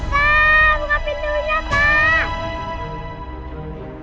papa buka pintunya pa